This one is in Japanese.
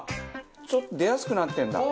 ちょっと出やすくなってるんだ。